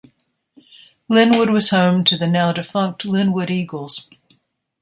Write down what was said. Lynnwood was home to the now defunct Lynnwood Eagles.